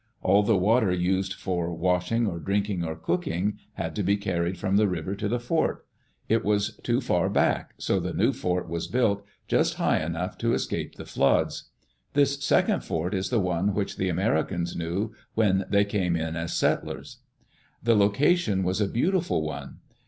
All the water used, for washing or drinking or cooking, had to be carried from the river to the fort. It was too far back, so the new fort was built, just hi^ enough to escape the floods. This second fort is the one which the Americans knew when they came in as settlers. The location was a beautiful one.